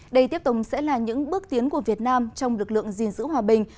đây tiếp tục sẽ là những bước tiến của việt nam trong lực lượng gìn giữ hòa bình